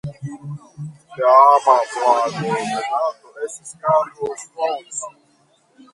Teama flagotenanto estis "Carlos Font".